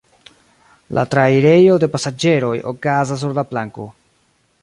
La trairejo de pasaĝeroj okazas sur la planko.